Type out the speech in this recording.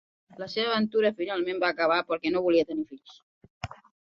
La seva aventura finalment va acabar perquè no volia tenir fills.